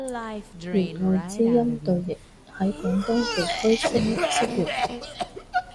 弦外之音對譯，喺廣東地區適唔適用？